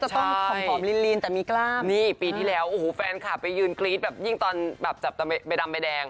ต้องผอมลีนแต่มีกล้ามนี่ปีที่แล้วโอ้โหแฟนคลับไปยืนกรี๊ดแบบยิ่งตอนแบบจับใบดำใบแดง